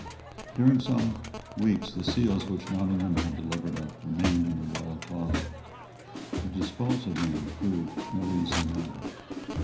During some weeks the seals which Nottingham had delivered up remained in the royal closet. To dispose of them proved no easy matter.